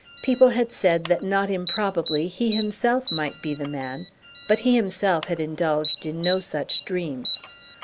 People had said that not improbably he himself might be the man, but he himself had indulged in no such dream.